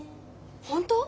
本当？